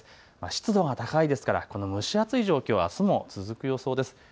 湿度が高いですからこの蒸し暑い状況はあすも続く予想です。